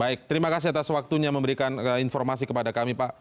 baik terima kasih atas waktunya memberikan informasi kepada kami pak